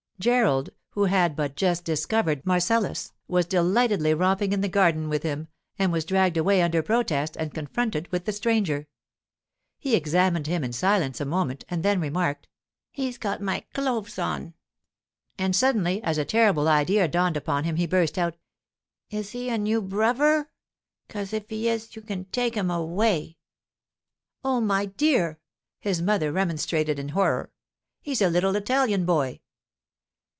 Gerald, who had but just discovered Marcellus, was delightedly romping in the garden with him, and was dragged away under protest and confronted with the stranger. He examined him in silence a moment and then remarked, 'He's got my cloves on.' And suddenly, as a terrible idea dawned upon him, he burst out: 'Is he a new bruvver? 'Cause if he is you can take him away.' 'Oh, my dear!' his mother remonstrated in horror. 'He's a little Italian boy.